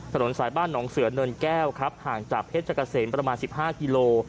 ถนนสายบ้านหนองเสือเนินแก้วครับห่างจากเพชรเกษมประมาณ๑๕กิโล